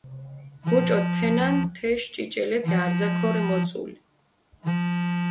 მუჭო თენან თეში ჭიჭელეფი არძა ქორე მოწული.